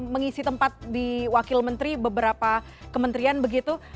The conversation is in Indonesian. mengisi tempat di wakil menteri beberapa kementerian begitu